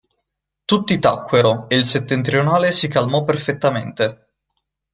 Tutti tacquero, e il settentrionale si calmò perfettamente.